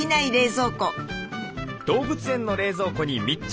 動物園の冷蔵庫に密着！